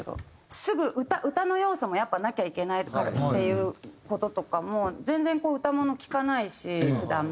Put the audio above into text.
すぐ歌の要素もやっぱなきゃいけないとかっていう事とかも全然歌もの聴かないし普段。